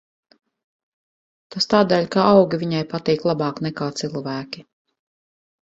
Tas tādēļ, ka augi viņai patīk labāk nekā cilvēki.